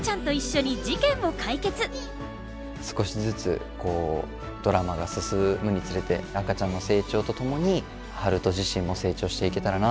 少しずつドラマが進むにつれて赤ちゃんの成長とともに春風自身も成長していけたらなとは思います。